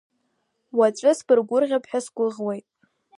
Уаҵәы сбыргәырӷьап ҳәа сгәыӷуеит.